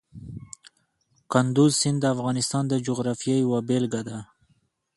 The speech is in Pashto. کندز سیند د افغانستان د جغرافیې یوه بېلګه ده.